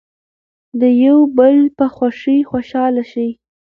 د یو بل په خوښۍ خوشحاله شئ.